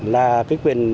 là cái quyền